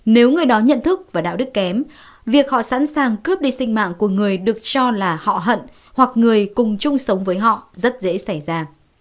nếu người đó nhận thức và đạo đức kém việc họ sẵn sàng cướp đi sinh mạng của người được cho là họ hận hoặc người cùng chung sống với họ rất dễ xảy ra